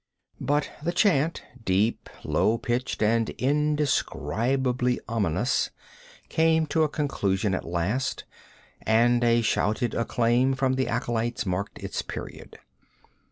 But the chant deep, low pitched and indescribably ominous came to a conclusion at last, and a shouted acclaim from the acolytes marked its period.